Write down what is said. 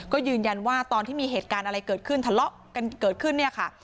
ก็ยืนยันว่าตอนที่มีเหตุการณ์อะไรเกิดขึ้นทะเลาะกันเกิดขึ้นเนี่ยค่ะ